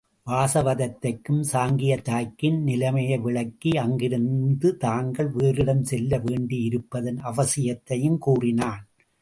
வாசவதத்தைக்கும் சாங்கியத் தாய்க்கும் நிலைமையை விளக்கி அங்கிருந்து தாங்கள் வேறிடம் செல்ல வேண்டியிருப்பதன் அவசியத்தையும் கூறினான்.